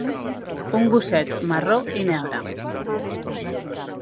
Un gosset marró i negre.